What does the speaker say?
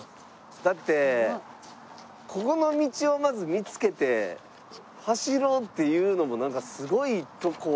だってここの道をまず見付けて走ろうっていうのもなんかすごいとこを見付けはりますね。